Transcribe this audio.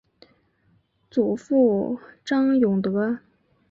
祖父张永德。